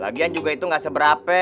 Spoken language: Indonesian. lagian juga itu gak seberape